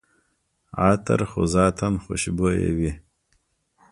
عطر خو ذاتاً خوشبویه وي.